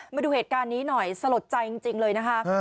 มาดูเหตุการณ์นี้หน่อยสลดใจจริงเลยนะคะ